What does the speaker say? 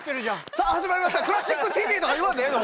さあ始まりました「クラシックＴＶ」！とか言わんでええの？